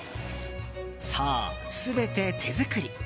そう、全て手作り。